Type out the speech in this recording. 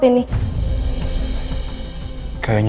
mereka semua pada panik